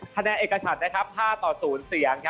คะแนนเอกชัด๕ต่อ๐เสียง